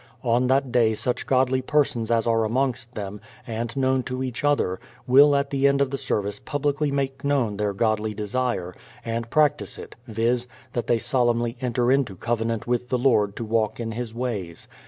On that day such godly persons as are amongst them, and known to each other, will at the end of the service publicly make known their godly desire, and practice it, viz., that they solemnly enter into covenant with the Lord to walk in His ways.